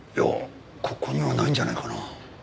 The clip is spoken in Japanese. ここにはないんじゃないかな。